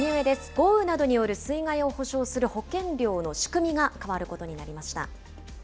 豪雨などによる水害を補償する保険料の仕組みが変わることになりました。